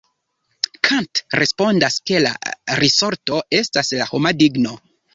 Kant respondas ke la risorto estas la homa digno.